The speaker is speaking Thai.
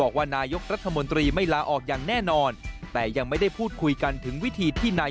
ข้อน้ายก็บอกไว้แล้วนะ